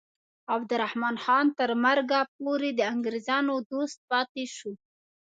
عبدالرحمن خان تر مرګه پورې د انګریزانو دوست پاتې شو.